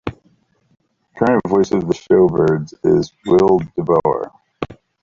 The current voice of the Shorebirds is Will DeBoer.